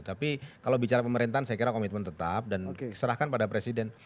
tapi kalau bicara pemerintahan saya kira komitmen tetap dan serahkan pada presiden